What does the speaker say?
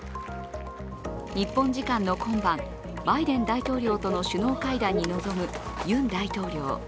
日本時間の今晩、バイデン大統領との首脳会談に臨むユン大統領。